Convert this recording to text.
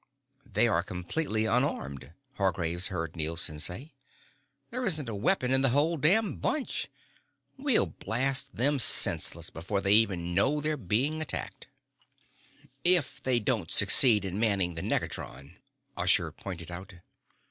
"They are completely unarmed," Hargraves heard Nielson say. "There isn't a weapon in the whole damned bunch. We'll blast them senseless before they even know they're being attacked." "If they don't succeed in manning the negatron," Usher pointed out.